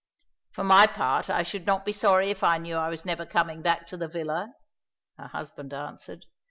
"For my part I should not be sorry if I knew I was never coming back to the villa," her husband answered.